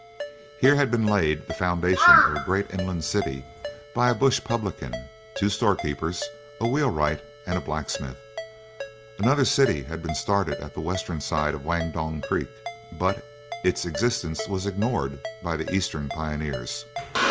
Here had been laid the foundation of a great inland city by a bush publican, two storekeepers, a wheelwright, and a blacksmith. Another city had been started at the western side of Wandong Creek, but its existence was ignored by the eastern pioneers.